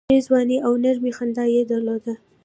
ښې ځواني او نرمي خندا یې درلوده.